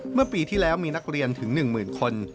เมื่อปีที่แล้วมีนักเรียนถึง๑๐๐๐คน